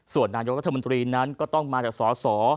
ส่วนนายกรัฐมนตรีนั้นก็ต้องมาจากสอสอ